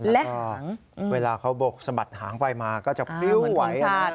แล้วก็เวลาเขาบกสะบัดหางไปมาก็จะเปรี้ยวมันไหว